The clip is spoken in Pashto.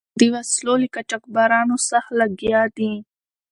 د وسلو له قاچبرانو سخت لګیا دي.